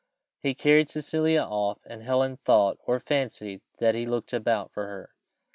He carried Cecilia off, and Helen thought, or fancied, that he looked about for her.